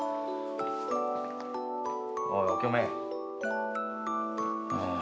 おいおきょめ。